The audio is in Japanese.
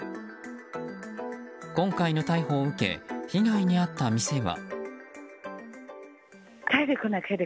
今回の逮捕を受け被害に遭った店は。